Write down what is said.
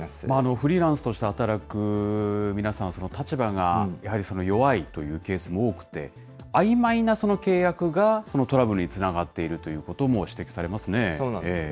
フリーランスとして働く皆さん、立場がやはり弱いというケースも多くて、あいまいな契約が、そのトラブルにつながっているとそうなんですよね。